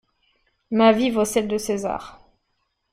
Ma vie vaut celle de César.